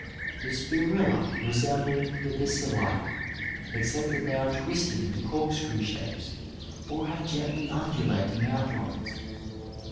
The spirilla resemble the badlli, except that they are twisted into corkscrew shapes, or have gendy undulating outlines.